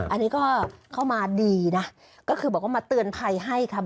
อันนี้ก็เข้ามาดีนะก็คือบอกว่ามาเตือนภัยให้ค่ะ